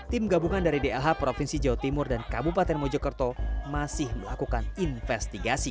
tim gabungan dari dlh provinsi jawa timur dan kabupaten mojokerto masih melakukan investigasi